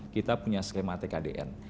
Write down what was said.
kita punya skema tkdn